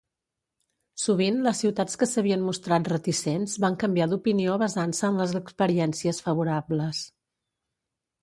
Sovint les ciutats que s'havien mostrat reticents van canviar d'opinió basant-se en les experiències favorables.